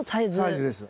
サイズです。